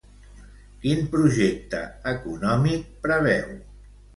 Quin projecte econòmic preveu?